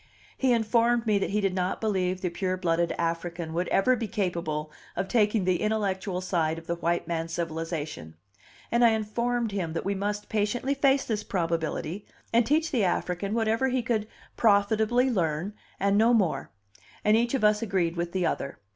He informed me that he did not believe the pure blooded African would ever be capable of taking the intellectual side of the white man's civilization, and I informed him that we must patiently face this probability, and teach the African whatever he could profitably learn and no more; and each of us agreed with the other.